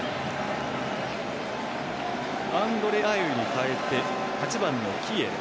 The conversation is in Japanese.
アンドレ・アイウに代えて８番のキエレ。